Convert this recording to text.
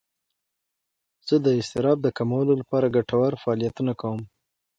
زه د اضطراب د کمولو لپاره ګټور فعالیتونه کوم.